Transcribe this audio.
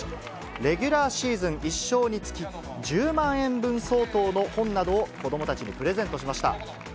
レギュラーシーズン１勝につき、１０万円分相当の本などを子どもたちにプレゼントしました。